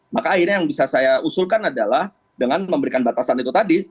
maka akhirnya yang bisa saya usulkan adalah dengan memberikan batasan itu tadi